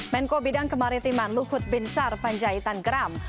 menko bidang kemaritiman luhut bin sar panjaitan geram